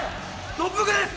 特服です！